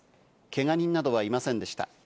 けが人などはいませんでした。